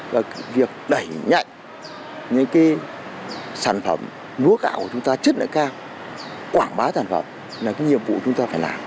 và việc đẩy nhanh những cái sản phẩm lúa gạo của chúng ta chất lượng cao quảng bá sản phẩm là cái nhiệm vụ chúng ta phải làm